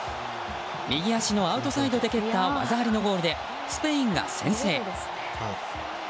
右足のアウトサイドで蹴った技ありのゴールでスペインが先制。